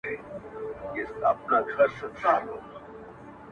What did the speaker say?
• دا فريادي تا غواړي، داسي هاسي نه كــــيـــږي.